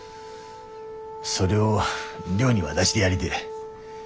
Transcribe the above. それを亮に渡してやりでえ。